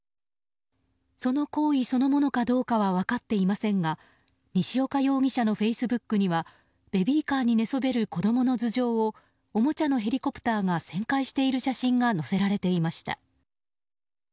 その行為そのものかどうかは分かっていませんが西岡容疑者のフェイスブックにはベビーカーに寝そべる子供の頭上をおもちゃのヘリコプターが旋回している写真が載せられていました。